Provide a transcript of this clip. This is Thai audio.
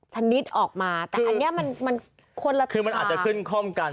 ชนิดออกมาแต่อันนี้มันมันคนละทางคือมันอาจจะขึ้นข้อมการ